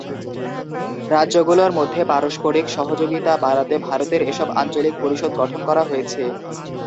রাজ্যগুলোর মধ্যে পারস্পরিক সহযোগিতা বাড়াতে ভারতের এসব আঞ্চলিক পরিষদ গঠন করা হয়েছে।